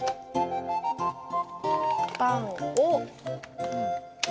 「パンを」。